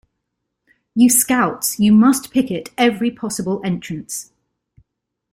You scouts, you must picket every possible entrance.